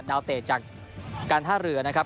วเตะจากการท่าเรือนะครับ